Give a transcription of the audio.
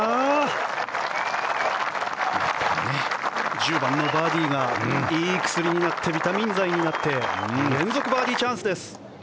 １０番のバーディーがいい薬になってビタミン剤になって連続バーディーチャンスです！